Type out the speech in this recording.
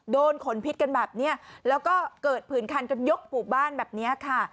โดนขนพิษกันแบบนี้แล้วก็เกิดผื่นคันกันยกหมู่บ้านแบบนี้ค่ะ